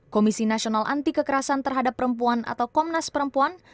komisi nasional anti kekerasan terhadap perempuan atau komnas perempuan